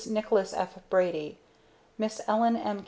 NICHOLAS F. BRADY MISS ELLEN M.